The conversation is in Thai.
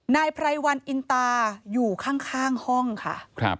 นายไพรวันอินตาอยู่ข้างห้องค่ะ